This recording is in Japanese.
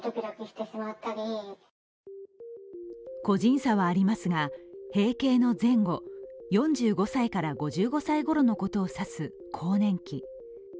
個人差はありますが閉経の前後、４５歳から５５歳ごろのことを指す更年期。